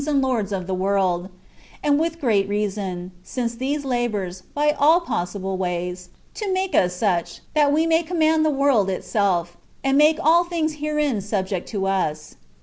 and lords of the world ; and with great reason, since these labour, by all possible ways, to make us such, that we may command the world itself, and make all things herein subject to us.